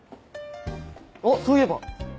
あっそういえば。